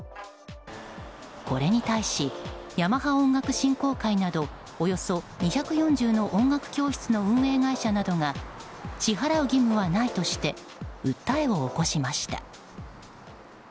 これに対しヤマハ音楽振興会などおよそ２４０の音楽教室の運営会社などが支払う義務はないとして訴えを起こしました。